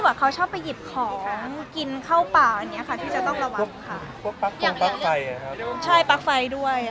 เราเองต้องระวังมากขึ้นไหม